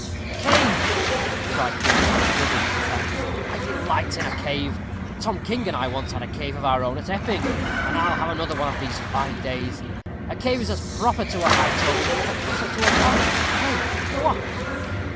"The cave!" cried Dick, rubbing his hands; "I delight in a cave. Tom King and I once had a cave of our own at Epping, and I'll have another one of these fine days. A cave is as proper to a high tobyman as a castle to a baron. Pray go on."